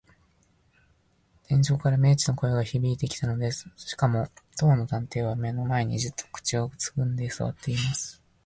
天井から明智の声がひびいてきたのです。しかも、当の探偵は目の前に、じっと口をつぐんですわっています。まるで魔法使いです。